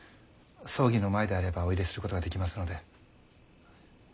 葬儀の前であればお入れすることができますので。